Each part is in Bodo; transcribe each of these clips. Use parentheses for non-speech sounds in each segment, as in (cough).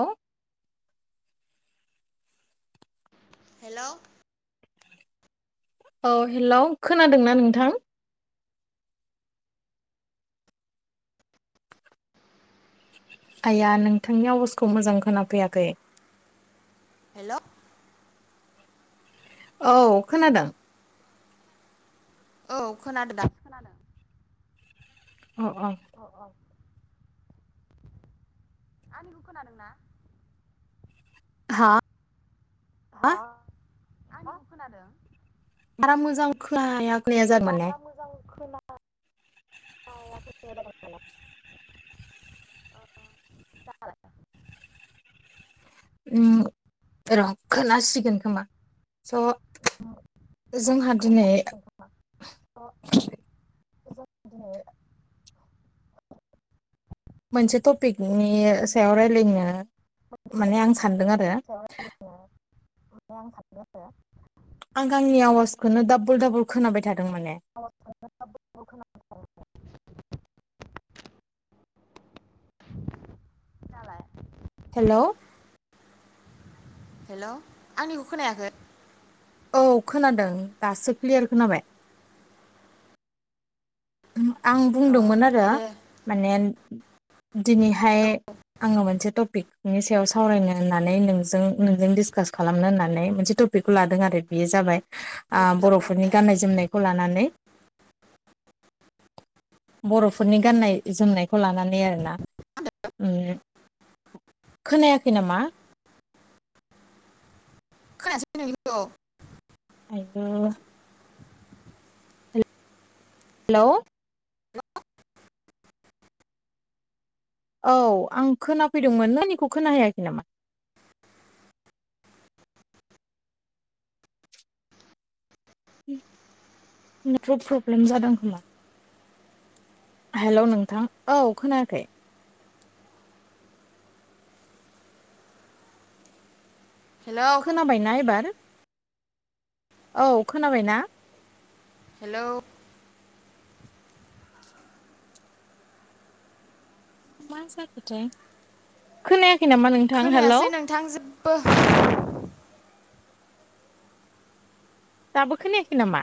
हेल हेल! औ हेलौ खोनादोंना नोंथां? आइया नोंथांनि आवाजखौ मोजां खोनाफैयाखै। हेल औ खोनादों? औ खोनादों दासो खोनादों। अ अ। आंनिखौ खोनादों ना? हा? हा? आंनिखौ खोनादों? बारा मोजां खोनाया खोनाया जादों माने। बारा मोजां (unintelligible) उम र खोनासिगोन खोमा। स जोंहा दिनै खोनासिगोनथ' (unintelligible) मोनसे टपिकनि सायाव रायलायनो माने आं सानदों आरो ओमफ्राय आं सानदों आरोना। आं आंनि आवाजखोनो दाबल दाबल खोनाबाय थादों। माने आवाजखोनो दाबल दाबल खोनाबाय थादों। (inaudible) दालाय। हेलौ। हेल' आंनिखौ खोनायाखै औ खोनादों दासो क्लियार खोनाबाय। (unintelligible) आं अ बुंदोंमोन आरो दे माने। दिनैहाय औ आङो मोनसे टपिक बेनि सायाव सावरायनो होननानै नोंजों नोंजों दिसकास खालामनो होननानै मोनसे टपिकखौ लादों आरो बेयो जाबाय। ओ औ जागोन बरफोरनि दे आं गाननाय जोमनायखौ लानानै बरफोरनि गाननाय जोमनायखौ लानानै आरोना ओ खोनायाखै नामा? खोनासैै नोंनिखौ हेलौ हेलौ औ आं खोनाफैदोंमोन नों आंनिखौ खोनाहैयाखै नामा। होम नेटवर्क फ्रब्लेम जादों खोमा। हेलौ नोंथां औ खोनायाखै। हेलौ खोनाबायना एबार। औ खोनाबाय ना। हेलौ मा जाखोथाय खोनायाखै। नामा नोंथां हेलौ खोनायासै नोंथां जेब्बो दाबो खोनायाखै नामा?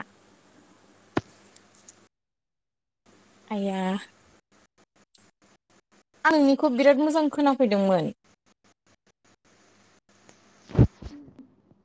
आया आं नोंनिखौ बिराद मोजां खोनाफैदोंमोन (inaudible)